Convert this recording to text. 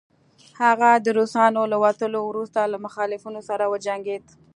هغه د روسانو له وتلو وروسته له مخالفينو سره وجنګيد